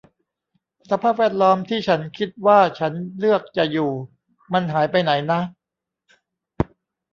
สภาพแวดล้อมที่ฉันคิดว่าฉันเลือกจะอยู่ มันหายไปไหนนะ